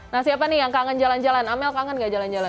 nah siapa nih yang kangen jalan jalan amel kangen gak jalan jalan